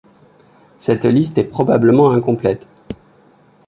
Cette liste est probablement incomplète.